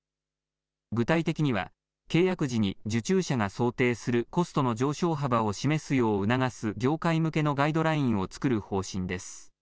具体的には契約時に受注者が想定するコストの上昇幅を示すよう促す業界向けのガイドラインを作る方針です。